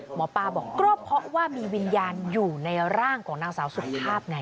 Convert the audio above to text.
หมอปลาบอกก็เพราะว่ามีวิญญาณอยู่ในร่างของนางสาวสุภาพไง